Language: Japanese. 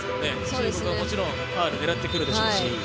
中国はもちろんファウルを狙ってくるでしょうし。